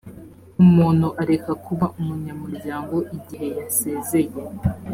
umuntu areka kuba umunyamuryango igihe yasezeye.